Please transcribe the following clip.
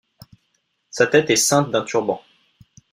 Sa tête est ceinte d'un turban.